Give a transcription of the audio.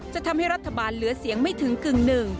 จะทำให้รัฐบาลเหลือเสียงไม่ถึงกึ่งหนึ่ง